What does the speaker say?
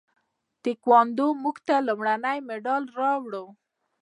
تکواندو موږ ته لومړنی مډال راوړ.